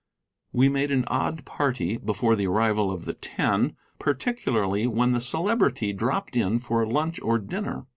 We made an odd party before the arrival of the Ten, particularly when the Celebrity dropped in for lunch or dinner.